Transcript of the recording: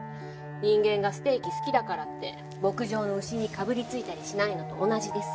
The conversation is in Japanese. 人間がステーキ好きだからって牧場の牛にかぶりついたりしないのと同じでさ。